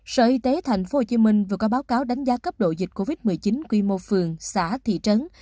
sở y tế tp hcm vừa có báo cáo đánh giá cấp độ dịch covid một mươi chín quy mô phường xã thị trấn